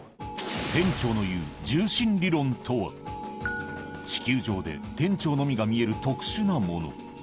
店長の言う地球上で店長のみが見える特殊なもの